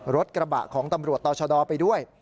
รถกระบะของตำรวจต่อชะดอไปด้วย